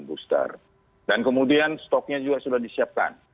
dan kemudian stoknya juga sudah disiapkan